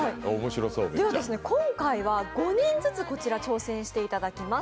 今回は５人ずつこちらに挑戦していただきます。